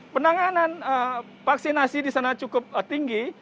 penanganan vaksinasi di sana cukup tinggi